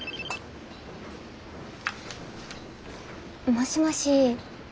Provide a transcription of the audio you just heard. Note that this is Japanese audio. もしもし。